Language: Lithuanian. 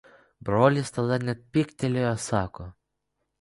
Brolis tada net pyktelėjo sako